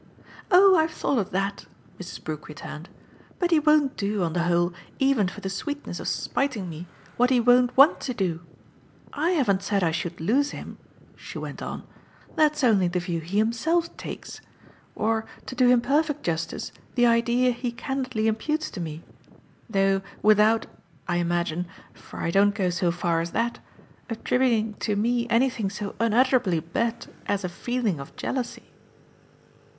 '" "Oh I've thought of that," Mrs. Brook returned. "But he won't do, on the whole, even for the sweetness of spiting me, what he won't want to do. I haven't said I should lose him," she went on; "that's only the view he himself takes or, to do him perfect justice, the idea he candidly imputes to me; though without, I imagine for I don't go so far as that attributing to me anything so unutterably bete as a feeling of jealousy."